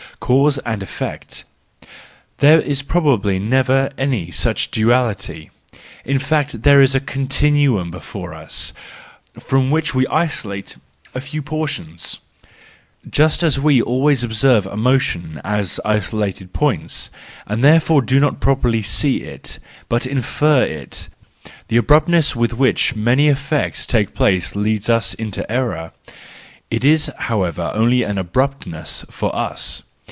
Cause and effect: there is probably never any such duality; in fact there is a continuum before us, from which we isolate a few portions ;— just as we always observe a motion as isolated points, and therefore do not properly see it, but infer it. The abruptness with which many effects take place leads us into error; it is however only an abruptness for us.